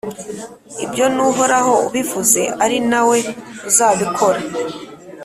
ibyo ni uhoraho ubivuze, ari na we uzabikora.